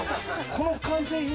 この完成品